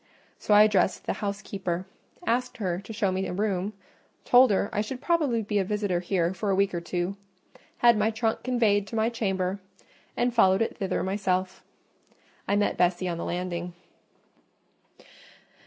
So I addressed the housekeeper; asked her to show me a room, told her I should probably be a visitor here for a week or two, had my trunk conveyed to my chamber, and followed it thither myself: I met Bessie on the landing.